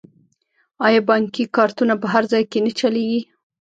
آیا بانکي کارتونه په هر ځای کې نه چلیږي؟